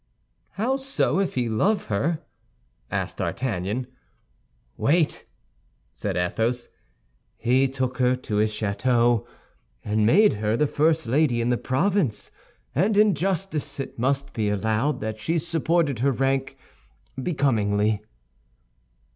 "How so, if he loved her?" asked D'Artagnan. "Wait," said Athos. "He took her to his château, and made her the first lady in the province; and in justice it must be allowed that she supported her rank becomingly."